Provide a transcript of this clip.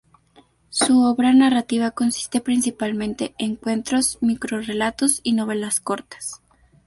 Su obra narrativa consiste principalmente en cuentos, microrrelatos y novelas cortas.